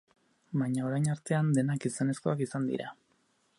Baina, orain artean, denak gizonezkoak izan dira.